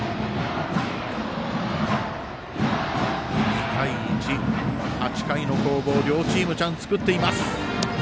２対１、８回の攻防両チーム、チャンス作っています。